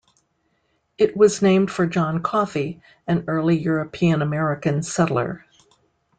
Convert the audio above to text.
It was named for John Coffee, an early European-American settler.